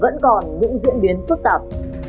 vẫn còn những diễn biến phức tạp